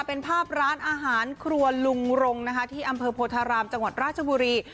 เป็นภาพร้านอาหารครัวลุงรงนะคะที่อำเภอโพธารามจังหวัดราชบุรี